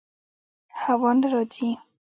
هوا نه راځي